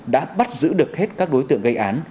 đã bắt giữ được hết các đối tượng gây án